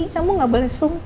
kamu gak boleh sungkan